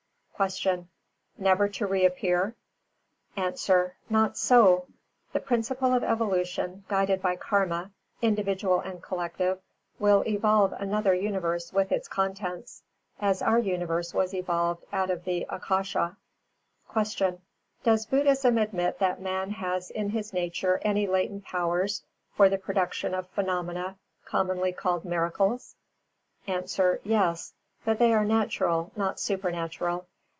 364. Q. Never to reappear? A. Not so: the principle of evolution, guided by Karma, individual and collective, will evolve another universe with its contents, as our universe was evolved out of the Ākāsha. 365. Q. _Does Buddhism admit that man has in his nature any latent powers for the production of phenomena commonly called "miracles"?_ A. Yes; but they are natural, not supernatural.